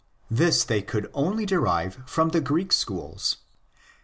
This they could only derive from the Greek schools.